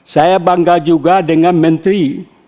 saya bangga juga dengan menteri